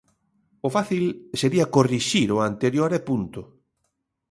O fácil sería corrixir o anterior e punto.